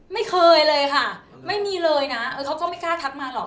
ไม่เคยเลยค่ะไม่มีเลยนะเออเขาก็ไม่กล้าทักมาหรอก